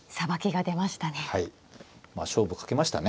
勝負かけましたね